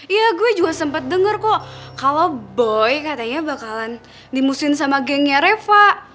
iya gue juga sempat dengar kok kalau boy katanya bakalan dimusuhin sama gengnya reva